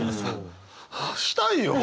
はあしたいよ。